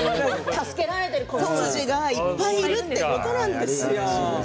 助けられてる子羊がいっぱいいるということなんですよ。